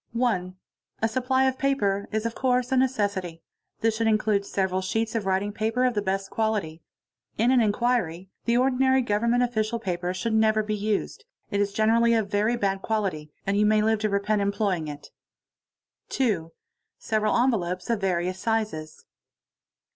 1. A supply of paper is of course a necessity. This should include everal sheets of writing paper of the best quality. In an inquiry '. ordinary Government official paper should never be used, it is g enerally of very bad quality, and you may live to repent employing it. | 2. Several envelopes of various sizes.